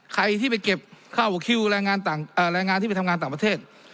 ใครที่ไปเก็บค่าวคิวรายงานต่างเอ่อรายงานที่ไปทำงานต่างประเทศ